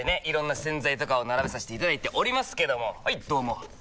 いろんな洗剤とかを並べさせていただいておりますけどもはいどうも！